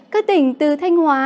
các tỉnh từ thanh hóa